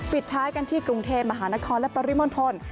ปิดท้ายกันที่กรุงเทพมหานครและปริมณฑล